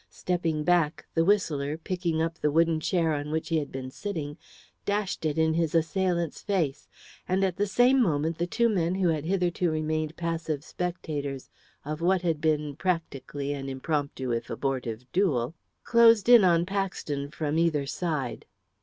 Stepping back, the whistler, picking up the wooden chair on which he had been sitting, dashed it in his assailant's face. And at the same moment the two men who had hitherto remained passive spectators of what had been, practically, an impromptu if abortive duel, closed in on Paxton from either side.